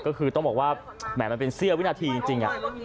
ก็คือต้องบอกว่าแหม่มันเป็นเสี้ยววินาทีจริง